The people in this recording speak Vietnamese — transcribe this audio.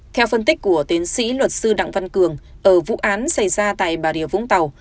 theo phân tích của tiến sĩ luật sư đặng văn cường ở vụ án xảy ra tại bà rịa vũng tàu